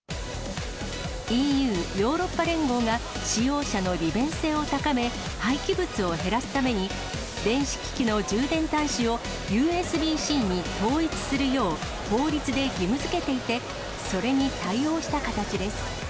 ＥＵ・ヨーロッパ連合が、使用者の利便性を高め、廃棄物を減らすために、電子機器の充電端子をＵＳＢーＣに統一するよう、法律で義務づけていて、それに対応した形です。